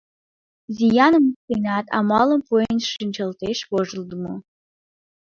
Зияным ыштенат, амалым муын шинчылтеш, вожылдымо!